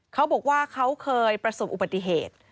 เขาบอกว่าเขาเคยประสบอุบัติเหตุ